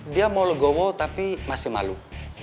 dia mau legowo tapi masih malu